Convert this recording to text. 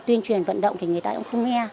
tuyên truyền vận động thì người ta cũng không nghe